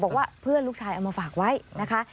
บอกว่าเพื่อนลูกชายเอามาฝากไว้นะคะ